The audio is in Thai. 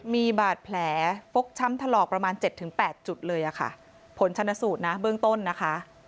มีบาดแผลฟกช้ำถลอกประมาณ๗๘จุดเลยค่ะผลชนะสูตรนะเบื้องต้นนะคะ